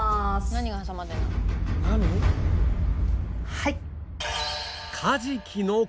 はい。